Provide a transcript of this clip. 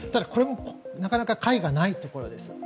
これもなかなか解がないところです。